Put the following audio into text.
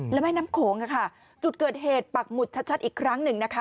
แล้วแม่น้ำโขงค่ะจุดเกิดเหตุปักหมุดชัดอีกครั้งหนึ่งนะคะ